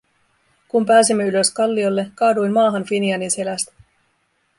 Kun pääsimme ylös kalliolle, kaaduin maahan Finianin selästä.